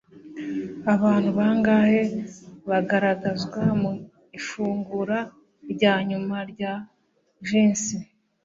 Abantu bangahe bagaragazwa mu ifunguro rya nyuma rya Da Vinci?